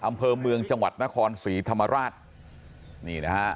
อำเภอเมืองจังหวัดนครศรีธรรมราช